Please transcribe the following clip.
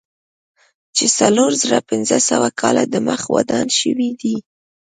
چې څلور زره پنځه سوه کاله دمخه ودان شوی دی.